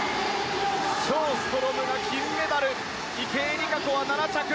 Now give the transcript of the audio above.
ショーストロムが金メダル池江璃花子は７着。